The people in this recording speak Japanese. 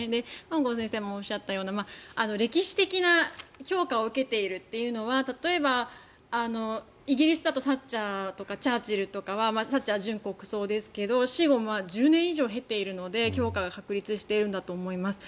本郷先生もおっしゃったような歴史的な評価を受けているというのは例えばイギリスだとサッチャーとかチャーチルとかサッチャーは準国葬ですが死後１０年以上経ているので評価が確立しているんだと思います。